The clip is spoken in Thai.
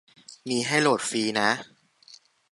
มีให้โหลดฟรีนะ